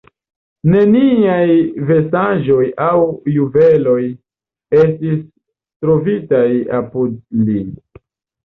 Neniaj vestaĵoj aŭ juveloj estis trovitaj apud li.